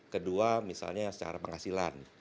kedua misalnya secara penghasilan